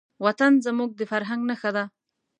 وطن زموږ د فرهنګ نښه ده.